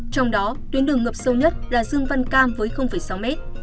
trong đó tuyến đường ngập sâu nhất là dương văn cam với sáu mét